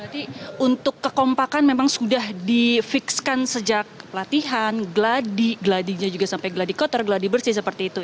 berarti untuk kekompakan memang sudah di fix kan sejak latihan gladi gladinya juga sampai gladi kotor gladi bersih seperti itu ya